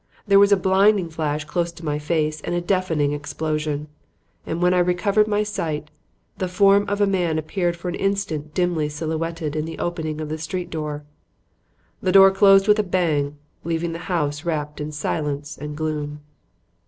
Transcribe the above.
There was a blinding flash close to my face and a deafening explosion; and when I recovered my sight, the form of a man appeared for an instant dimly silhouetted in the opening of the street door. The door closed with a bang, leaving the house wrapped in silence and gloom.